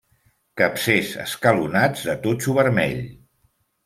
Capcers escalonats, de totxo vermell.